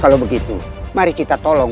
kalau begitu mari kita tolong